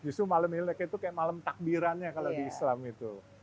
justru malam imlek itu kayak malam takbirannya kalau di islam itu